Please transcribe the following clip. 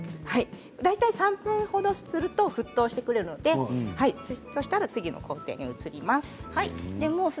大体３分ほどすると沸騰してくるのでそしたら次の工程に移ります。